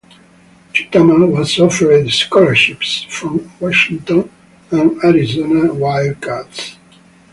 Tuitama was offered scholarship's from Washington and Arizona Wildcats.